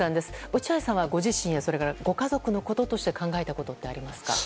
落合さんはご自身やご家族のこととして考えたことあってありますか。